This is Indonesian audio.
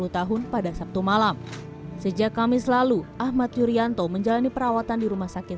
sepuluh tahun pada sabtu malam sejak kamis lalu ahmad yuryanto menjalani perawatan di rumah sakit